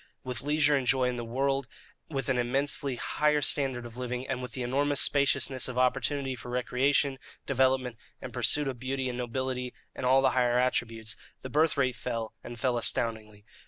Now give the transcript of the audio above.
With leisure and joy in the world; with an immensely higher standard of living; and with the enormous spaciousness of opportunity for recreation, development, and pursuit of beauty and nobility and all the higher attributes, the birth rate fell, and fell astoundingly.